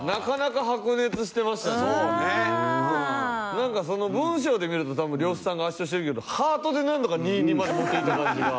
なんか文章で見ると多分呂布さんが圧勝してるけどハートでなんとか２：２まで持っていった感じが。